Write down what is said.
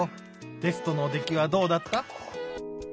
テストのできはどうだった？」。